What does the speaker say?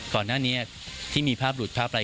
ก่อนหน้านี้ที่มีภาพหลุดภาพอะไร